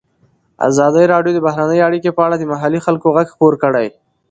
ازادي راډیو د بهرنۍ اړیکې په اړه د محلي خلکو غږ خپور کړی.